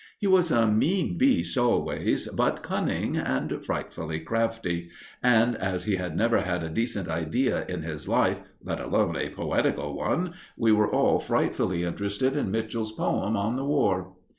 He was a mean beast always, but cunning and frightfully crafty; and as he had never had a decent idea in his life, let alone a poetical one, we were all frightfully interested in Mitchell's poem on the War.